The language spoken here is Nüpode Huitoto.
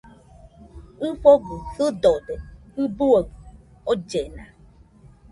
ɨfogɨ sɨdode ɨbuaɨ ollena